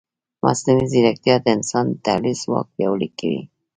مصنوعي ځیرکتیا د انسان د تحلیل ځواک پیاوړی کوي.